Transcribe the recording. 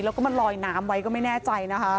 แล้วก็มาลอยน้ำไว้ก็ไม่แน่ใจนะคะ